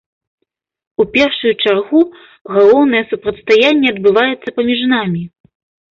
У першую чаргу галоўнае супрацьстаянне адбываецца паміж намі.